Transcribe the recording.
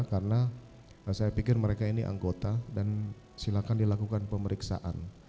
karena saya pikir mereka ini anggota dan silakan dilakukan pemeriksaan